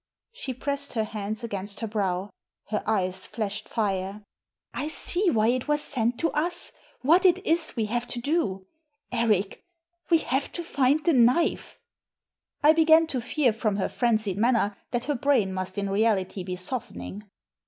She pressed her hands against her brow. Her eyes flashed fire. " I see why it was sent to us, what it is we have to do. Eric, we have to find the knife." I began to fear, from her frenzied manner, that her brain must in reality be softening.